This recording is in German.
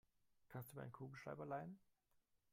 Kannst du mir einen Kugelschreiber leihen?